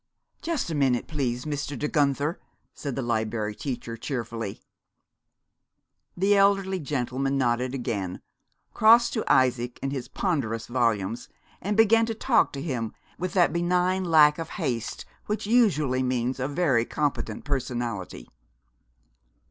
"Just a minute, please, Mr. De Guenther," said the Liberry Teacher cheerfully. The elderly gentleman nodded again, crossed to Isaac and his ponderous volumes, and began to talk to him with that benign lack of haste which usually means a very competent personality.